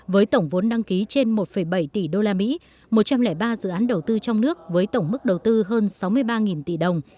với tổng vốn đăng ký trên một bảy tỷ usd một trăm linh ba dự án đầu tư trong nước với tổng mức đầu tư hơn sáu mươi ba tỷ đồng